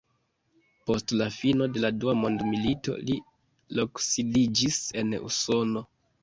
Post la fino de la dua mondmilito li loksidiĝis en Usono.